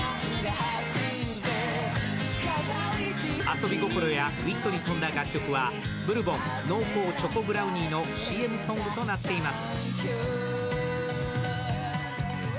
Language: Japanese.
遊び心やウィットに富んだ楽曲はブルボン・濃厚チョコブラウニーのＣＭソングとなっています。